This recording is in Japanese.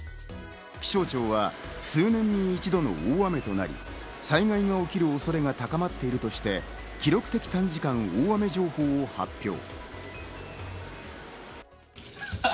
気象庁は数年に一度の大雨となり、災害が起きる恐れが高まっているとして、記録的短時間大雨情報を発表。